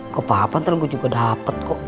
kok papa ntar gue juga dapet kok